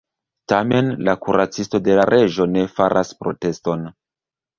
Tamen, la kuracistoj de la reĝo ne faras proteston.